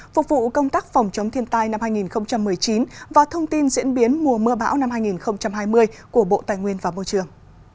phục vụ công tác phòng chống thiên tai năm hai nghìn một mươi chín và thông tin diễn biến mùa mưa bão năm hai nghìn hai mươi của bộ tài nguyên và môi trường